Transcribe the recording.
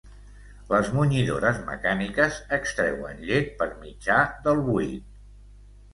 Les munyidores mecàniques extreuen llet per mitjà del buit.